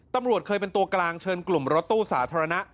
ตำรวจเคยเป็นตัวกลางเชิญกลุ่มรถตู้สาธารณะ